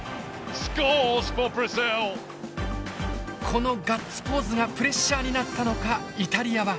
このガッツポーズがプレッシャーになったのかイタリアは。